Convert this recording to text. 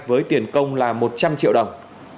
với tiền công là một trăm linh triệu đồng